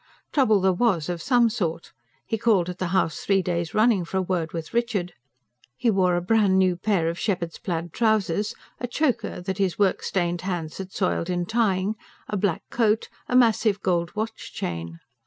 Trouble there was, of some sort: he called at the house three days running for a word with Richard. He wore a brand new pair of shepherd's plaid trousers, a choker that his work stained hands had soiled in tying, a black coat, a massive gold watch chain.